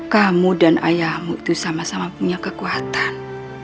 kamu dan ayahmu itu sama sama punya kekuatan